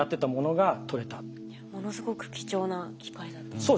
ものすごく貴重な機会だったんですね。